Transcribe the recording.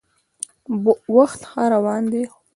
وخت ښه روان دی.